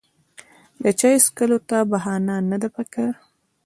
د چای څښلو ته بهانه نه ده پکار.